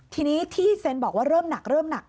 ทีนี้ที่เซนบอกว่าเริ่มหนัก